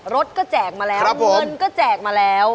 รถก็แจกมาแล้วเงินก็แจกมาแล้ว